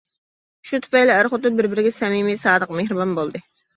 شۇ تۈپەيلى ئەر-خوتۇن بىر-بىرىگە سەمىمىي سادىق، مېھرىبان بولدى.